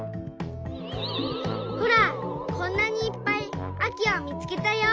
ほらこんなにいっぱいあきをみつけたよ！